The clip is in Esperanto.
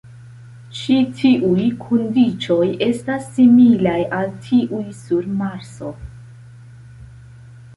Ĉi tiuj kondiĉoj estas similaj al tiuj sur Marso.